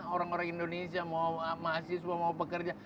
orang orang indonesia mau mahasiswa mau pekerja